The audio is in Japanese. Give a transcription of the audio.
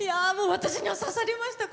私には刺さりました。